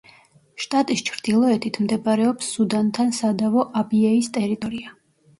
შტატის ჩრდილოეთით მდებარეობს სუდანთან სადავო აბიეის ტერიტორია.